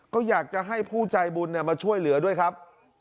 ก็อยากจะให้ผู้ใจบุญมาช่วยเหลือด้วยครับ